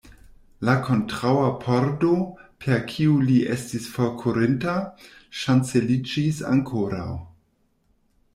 La kontraŭa pordo, per kiu li estis forkurinta, ŝanceliĝis ankoraŭ.